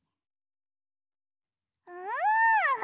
うん！